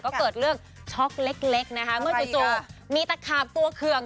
ก็เกิดเรื่องช็อกเล็กนะคะเมื่อจู่มีตะขาบตัวเคือง